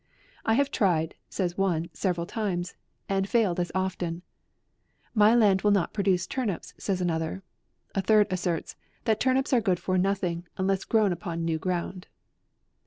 I have tried (says one) several times, and failed as often ;' My land will not produce turnips,' says another; a third asserts, 'that turnips are good for nothing, unless grown upon new ground.'